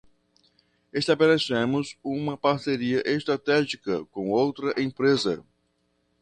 Estabelecemos uma parceria estratégica com outra empresa.